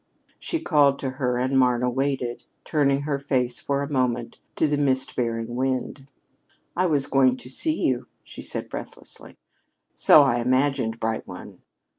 She called to her, and Marna waited, turning her face for a moment to the mist bearing wind. "I was going to you," she said breathlessly. "So I imagined, bright one."